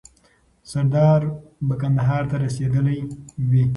سردار به کندهار ته رسېدلی وي.